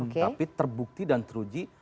tapi terbukti dan teruji